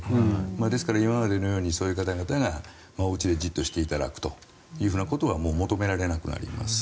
ですから、今までのようにそういう方々がおうちでじっとしていただくということは求められなくなります。